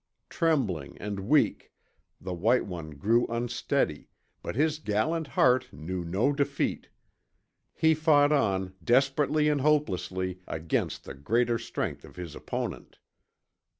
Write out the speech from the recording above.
Trembling and weak, the white one grew unsteady, but his gallant heart knew no defeat. He fought on, desperately and hopelessly, against the greater strength of his opponent.